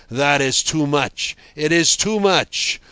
—that is too much. It is too much.